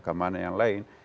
kemana yang lain